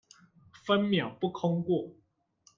分秒不空過